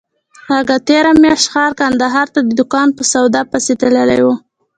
اکا تېره مياشت ښار کندهار ته د دوکان په سودا پسې تللى و.